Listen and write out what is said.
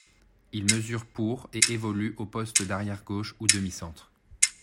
Il mesure pour et évolue au poste d'arrière gauche ou demi-centre.